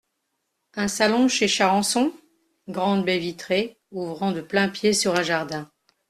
Un salon chez Charançon, — Grande baie vitrée, ouvrant de plain-pied sur un jardin.